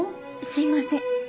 すいません。